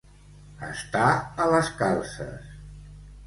Estar a les calces.